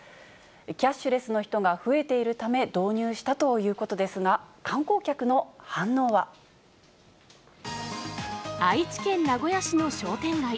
キャッシュレスの人が増えているため導入したということですが、愛知県名古屋市の商店街。